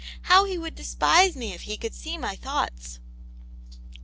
ft How he would despise me if he could see my tlioughts